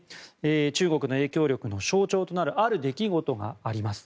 中国の影響力の象徴となるある出来事があります。